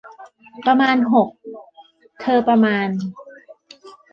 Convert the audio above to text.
ประมาณหก เธอประมาณ